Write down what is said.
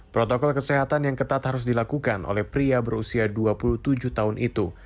protokol kesehatan yang ketat harus dilakukan oleh pria berusia dua puluh tujuh tahun itu